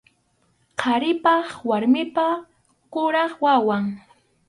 Qharipa warmipa kuraq wawan.